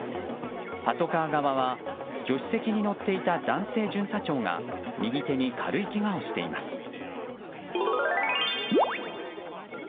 パトカー側は助手席に乗っていた男性巡査長が右手に軽いけがをしています。